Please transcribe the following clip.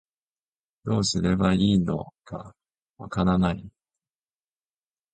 どうすればいいのかわからない